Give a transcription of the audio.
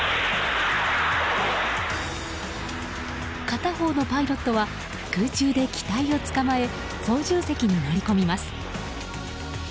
片方のパイロットは空中で機体をつかまえ操縦席に乗り込みます。